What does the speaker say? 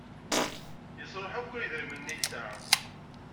Yesṛuḥ akk idrimen-nni i yesɛa.